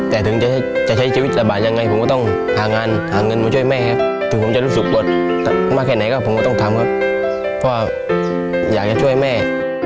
แต่ถึงจะใช้ชีวิตระบาดยังไงผมก็ต้องหางานหาเงินมาช่วยแม่ครับถึงผมจะรู้สึกหลดมากแค่ไหนก็ผมก็ต้องทำครับเพราะอยากจะช่วยแม่